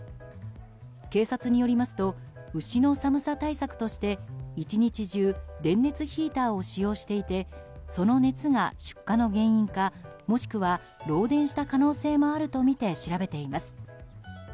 警察によりますと牛の寒さ対策として、１日中電熱ヒーターを使用していてその熱が出火の原因か、もしくは漏電した可能性もあるとみて調べています。